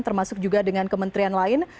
termasuk juga dengan kementerian lain